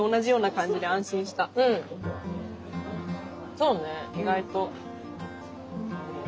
そうね意外と。